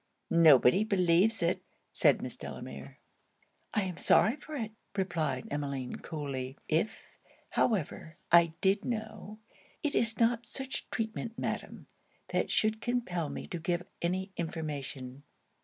'Nobody believes it!' said Miss Delamere. 'I am sorry for it,' replied Emmeline, coolly. 'If, however, I did know, it is not such treatment, Madam, that should compel me to give any information.'